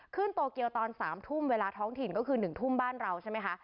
โตเกียวตอน๓ทุ่มเวลาท้องถิ่นก็คือ๑ทุ่มบ้านเราใช่ไหมคะ